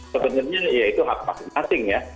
sebenarnya ya itu hak masing masing ya